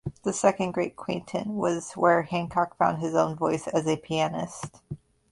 The second great quintet was where Hancock found his own voice as a pianist.